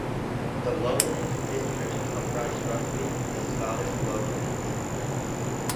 The Lowland District comprised roughly the Scottish Lowlands.